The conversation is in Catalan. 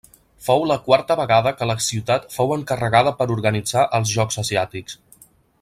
Fou la quarta vegada que la ciutat fou encarregada per organitzar els Jocs Asiàtics.